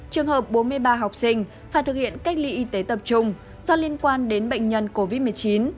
trường hợp bốn mươi ba học sinh phải thực hiện cách ly y tế tập trung do liên quan đến bệnh nhân covid một mươi chín